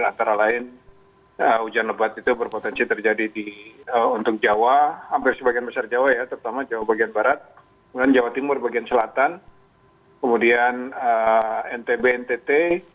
antara lain hujan lebat itu berpotensi terjadi untuk jawa hampir sebagian besar jawa ya terutama jawa bagian barat kemudian jawa timur bagian selatan kemudian ntb ntt